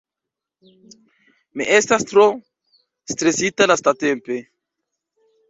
Mi estas tro stresita lastatempe